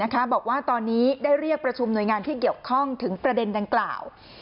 บอกว่าตอนนี้ได้เรียกประชุมหน่วยงานที่เกี่ยวข้องถึงประเด็นดังกล่าว